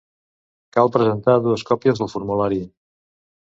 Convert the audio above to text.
Cal presentar dues còpies del formulari.